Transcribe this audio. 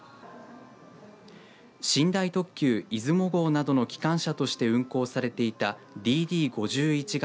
寝台特急出雲号などの機関車として運行されていたＤＤ５１形